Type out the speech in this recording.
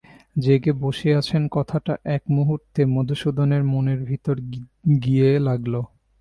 জেগে বসে আছেন কথাটা এক মুহূর্তে মধুসূদনের মনের ভিতরে গিয়ে লাগল।